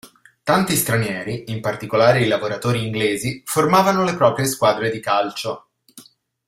Tanti stranieri, in particolare i lavoratori inglesi, formavano le proprie squadre di calcio.